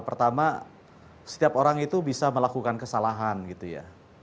pertama setiap orang itu bisa melakukan kesalahan gitu ya